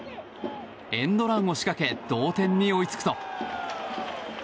エンドランを仕掛け同点に追いつくと。